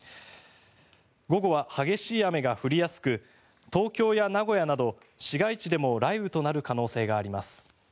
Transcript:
午後は激しい雨が降りやすく東京や名古屋など市街地でも雷雨となる可能性があります。